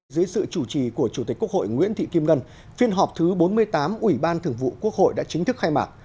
dưới sự chủ trì của chủ tịch quốc hội nguyễn thị kim ngân phiên họp thứ bốn mươi tám ủy ban thường vụ quốc hội đã chính thức khai mạc